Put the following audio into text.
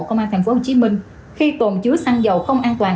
công an tp hcm khi tồn chứa xăng dầu không an toàn